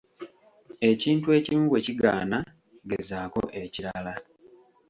Ekintu ekimu bwe kigaana, gezaako ekirala.